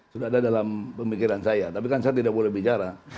sudah ada dalam pemikiran saya tapi kan saya tidak boleh bicara